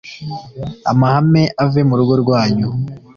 amahane ave mu rugo rwanyu